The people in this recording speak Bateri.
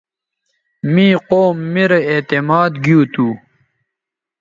می قوم میرے اعتماد گیوتھو